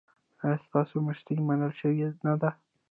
ایا ستاسو مشري منل شوې نه ده؟